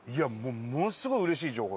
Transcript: ものすごいうれしい情報。